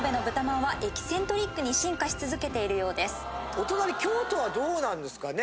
お隣京都はどうなんですかね？